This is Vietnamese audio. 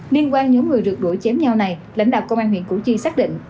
liên quan nhóm người rượt đuổi chém nhau này lãnh đạo công an huyện củ chi xác định